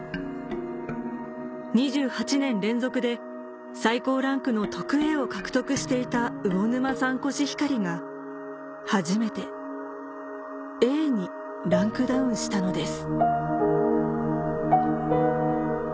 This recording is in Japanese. ２８年連続で最高ランクの「特Ａ」を獲得していた魚沼産コシヒカリが初めて「Ａ」にランクダウンしたのです